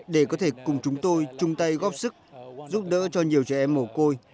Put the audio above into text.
để có thể cùng chúng tôi chung tay góp sức giúp đỡ cho nhiều trẻ em mổ côi